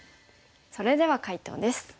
それでは解答です。